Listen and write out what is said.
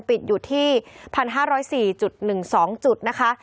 ปิดอยู่ที่๑๕๐๔๑๒จุดนะคะ